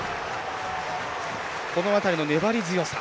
この辺りの粘り強さ。